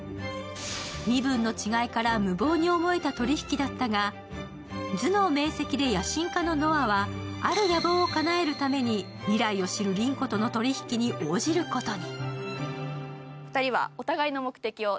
身分の違いから無謀に思えた取り引きだったが、頭脳明晰で野心家のノアはある野望をかなえるために未来を知る凛子との取り引きに応じることに。